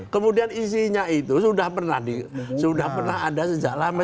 kemudian isinya itu sudah pernah ada sejak lama